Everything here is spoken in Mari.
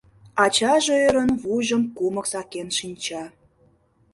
Ачаже, ӧрын, вуйжым кумык сакен шинча.